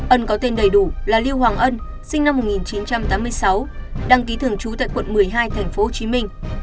ân có tên đầy đủ là lưu hoàng ân sinh năm một nghìn chín trăm tám mươi sáu đăng ký thường trú tại quận một mươi hai thành phố hồ chí minh